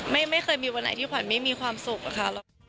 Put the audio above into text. ไม่เคยมีวันไหนที่ขวัญไม่มีความสุขอะค่ะ